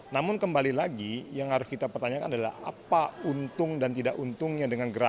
namun kembali lagi yang harus kita pertanyakan adalah apa untung dan tidak untungnya dengan gerakan